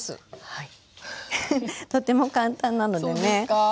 はい。